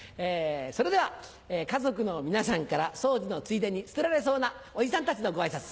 それでは家族の皆さんから掃除のついでに捨てられそうなおじさんたちのご挨拶。